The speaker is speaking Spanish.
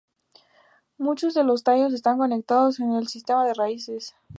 Muchos de los tallos están conectados al sistema de raíces.